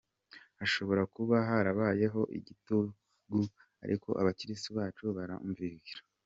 Hashobora kuba harabayeho igitugu ariko abakirisitu bacu barumvira.